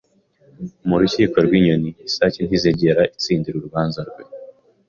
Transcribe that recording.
Mu rukiko rw’inyoni, isake ntizigera itsindira urubanza rwe.